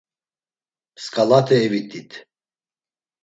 Msǩalate evit̆it.